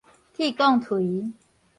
錘摃錘